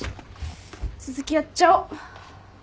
続きやっちゃお。